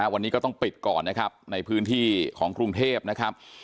วันนี้ก็ต้องปิดก่อนนะครับในพื้นที่ของกรุงเทพนะครับ